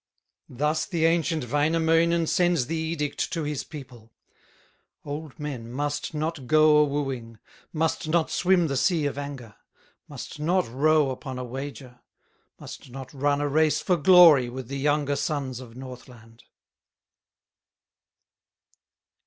Thus the ancient Wainamoinen Sends the edict to his people: "Old men must not go a wooing, Must not swim the sea of anger, Must not row upon a wager, Must not run a race for glory, With the younger sons of Northland."